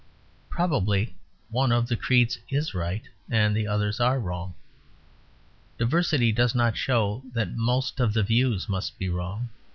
Probably one of the creeds is right and the others are wrong. Diversity does show that most of the views must be wrong.